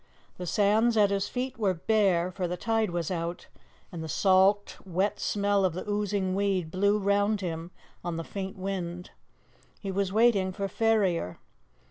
The sands at his feet were bare, for the tide was out, and the salt, wet smell of the oozing weed blew round him on the faint wind. He was waiting for Ferrier.